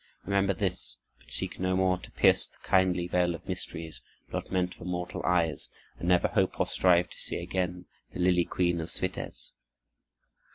Remember this. But seek no more to pierce the kindly veil of mysteries, not meant for mortal eyes; and never hope or strive to see again the lily queen of Switez."